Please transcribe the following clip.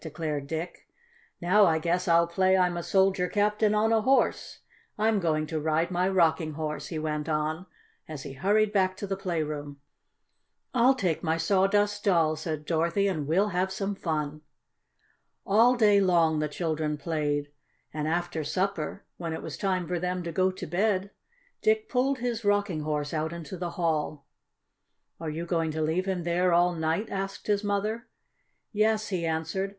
declared Dick. "Now I guess I'll play I'm a soldier captain on a horse. I'm going to ride my Rocking Horse," he went on, as he hurried back to the playroom. "I'll take my Sawdust Doll," said Dorothy, "and we'll have some fun." All day long the children played, and after supper, when it was time for them to go to bed, Dick pulled his Rocking Horse out into the hall. "Are you going to leave him there all night?" asked his mother. "Yes," he answered.